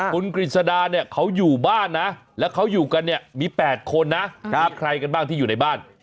คุณกฤษดาเนี่ยเขาอยู่บ้านนะแล้วเขาอยู่กันเนี่ยมี๘คนนะมีใครกันบ้างที่อยู่ในบ้าน